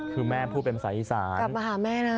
คือแม่พูดเป็นภาษาอีสานกลับมาหาแม่นะ